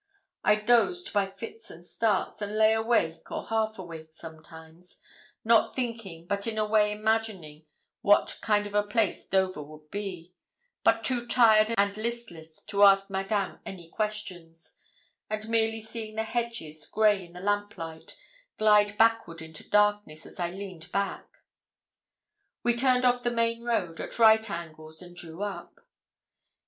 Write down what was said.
I dozed by fits and starts, and lay awake, or half awake, sometimes, not thinking but in a way imagining what kind of a place Dover would be; but too tired and listless to ask Madame any questions, and merely seeing the hedges, grey in the lamplight, glide backward into darkness, as I leaned back. We turned off the main road, at right angles, and drew up.